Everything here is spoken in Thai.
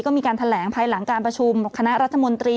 ก็มีการแถลงภายหลังการประชุมคณะรัฐมนตรี